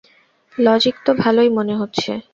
Logic তো ভালোই মনে হচ্ছে।